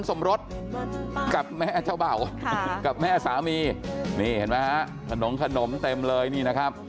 สมรสกับแม่เจ้าบ่าวกับแม่สามีขนมขนมเต็มเลยนี่นะครับ